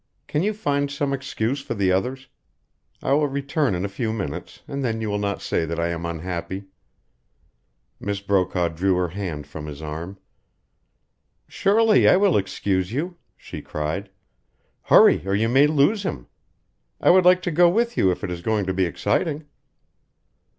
Can you find some excuse for the others? I will return in a few minutes, and then you will not say that I am unhappy." Miss Brokaw drew her hand from his arm. "Surely I will excuse you," she cried. "Hurry, or you may lose him. I would like to go with you if it is going to be exciting."